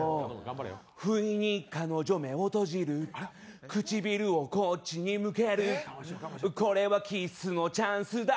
ふいに彼女、目を閉じる、唇をこっちに向けるこれはキッスのチャンスだ